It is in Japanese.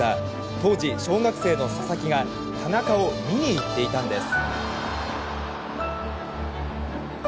当時小学生の佐々木が田中を見に行っていたんです。